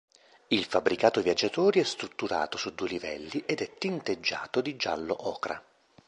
Il fabbricato viaggiatori è strutturato su due livelli ed è tinteggiato di giallo ocra.